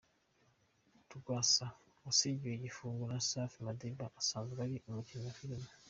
Rwasa wasigiwe igifuzo na Safi Madiba asanzwe ari umukinnyi wa Filime.